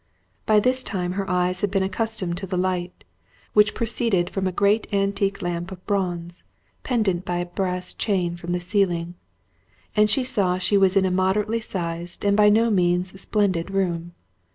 By this time, her eyes had been accustomed to the light, which proceeded from a great antique lamp of bronze, pendent by a brass chain from the ceiling; and she saw she was in a moderately sized and by no means splendid room.